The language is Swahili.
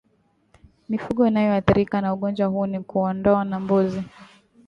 Mifugo inayoathirika na ugonjwa huu ni kuondoo na mbuzi